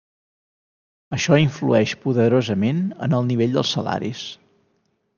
Això influeix poderosament en el nivell dels salaris.